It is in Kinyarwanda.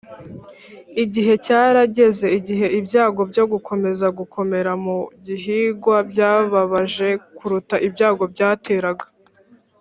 “igihe cyarageze igihe ibyago byo gukomeza gukomera mu gihingwa byababaje kuruta ibyago byateraga.”